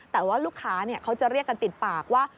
แต่ว่าลูกค้าเขาจะเรียกกันติดปากว่า